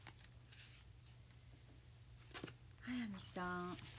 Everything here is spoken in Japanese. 速水さん